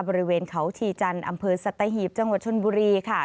บริเวณเขาชีจันทร์อำเภอสัตหีบจังหวัดชนบุรีค่ะ